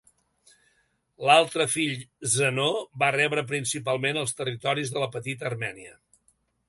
L'altre fill, Zenó, va rebre principalment els territoris de la Petita Armènia.